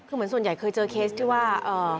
คือเหมือนส่วนใหญ่เคยเจอเคสที่ว่า